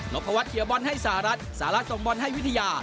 พวัฒนเขียวบอลให้สหรัฐสหรัฐส่งบอลให้วิทยา